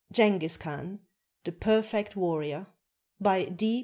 ] JENGHIZ KHAN, THE "PERFECT WARRIOR" BY D.